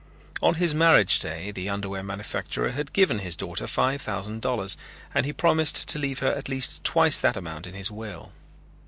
On his marriage day the underwear manufacturer had given his daughter five thousand dollars and he promised to leave her at least twice that amount in his will.